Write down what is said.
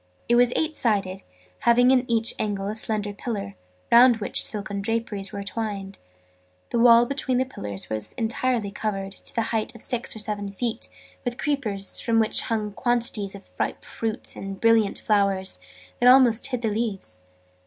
It was eight sided, having in each angle a slender pillar, round which silken draperies were twined. The wall between the pillars was entirely covered, to the height of six or seven feet, with creepers, from which hung quantities of ripe fruit and of brilliant flowers, that almost hid the leaves.